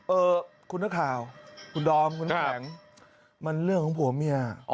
เออคุณนักข่าวคุณดอมคุณแข็งมันเรื่องของผัวเมีย